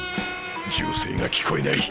銃声が聞こえない。